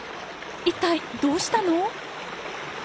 一体どうしたの？